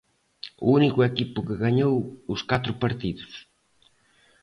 O único equipo que gañou os catro partidos.